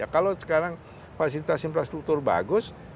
kalau sekarang fasilitas infrastruktur bagus